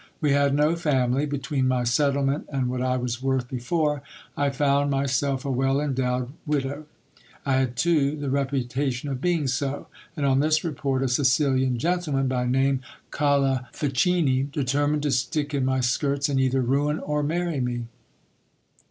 We had no family. Between my settlement and what I was worth before, I found myself a well endowed widow. I had too the reputation of being so ; and on this report, a Sicilian gentleman, by name Colifichini, determined to stick in my skirts, and either ruin or marry me.